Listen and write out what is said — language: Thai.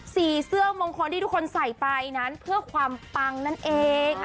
สีเสื้อมงคลที่ทุกคนใส่ไปนั้นเพื่อความปังนั่นเอง